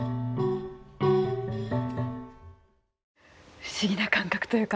不思議な感覚というか。